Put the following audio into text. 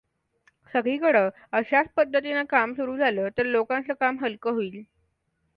सगळीकडं अशाच पद्धतीनं काम सुरू झालं, तर लोकांचं काम हलकं होईल.